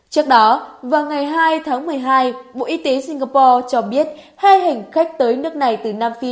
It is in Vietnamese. trước đó vào ngày hai tháng một mươi hai bộ y tế singapore cho biết hai hành khách tới nước này từ nam phi